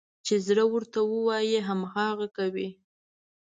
چې زړه ورته وايي، هماغه کوي.